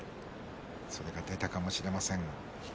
それが出たかもしれません。